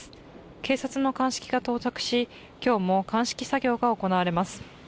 警察の鑑識が到着し今日も鑑識作業が行われます。